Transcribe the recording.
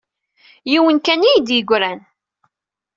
Yiwen kan ay iyi-d-yeggran.